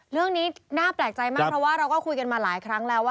เรื่องนี้น่าแปลกใจมากเพราะว่าเราก็คุยกันมาหลายครั้งแล้วว่า